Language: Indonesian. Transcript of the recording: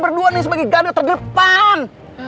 berdua nih sebagai ganda terdepan